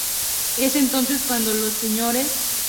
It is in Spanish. Es entonces cuando los Sres.